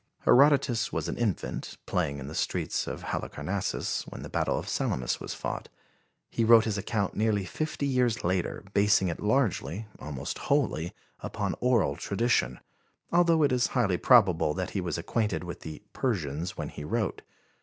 Herodotus was an infant, playing in the streets of Halicarnassus, when the battle of Salamis was fought. He wrote his account nearly fifty years later, basing it largely, almost wholly, upon oral tradition, although it is highly probable that he was acquainted with the "Persians" when he wrote.